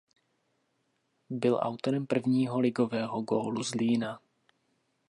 Byl autorem prvního ligového gólu Zlína.